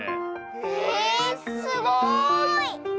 へえすごい！